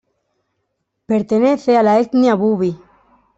Pertenece a la etnia bubi.